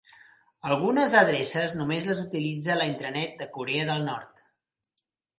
Algunes adreces només les utilitza la Intranet de Corea del Nord.